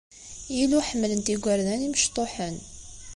Ilu ḥemmlen-t yigerdan imecṭuḥen.